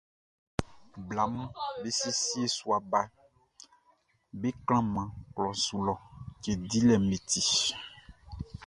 Blaʼm be siesie sua baʼm be klanman klɔʼn su lɔ cɛn dilɛʼm be ti.